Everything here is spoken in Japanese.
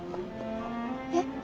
えっ。